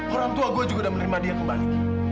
orang tua gue juga udah menerima dia kembali